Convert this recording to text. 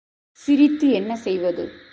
சிரித்து என்ன செய்வது?